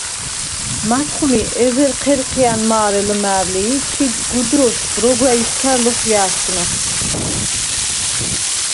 მათხვმი ეზერ ჴერჴია̈ნ მა̄რე ლჷმა̄̈რლი ი ჩიდ გუდროშ როგვა̈ ითქა̈რ ლოხვია̄̈სგვნა.